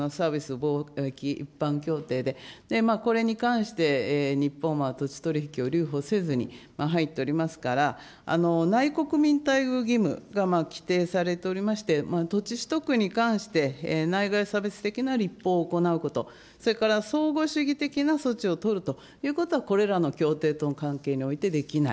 貿易一般協定で、これに関して日本は土地取り引きを留保せずに入っておりますから、内国民待遇義務、規定されておりまして、土地取得に関して、内外差別的な立法を行うこと、それから相互主義的な措置を取るということは、これらの協定との関係においてできない。